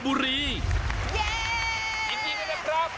ผู้โชคดีได้แกคุณประสงค์แสงจันดาจากจังหวัดลบปลอดภัย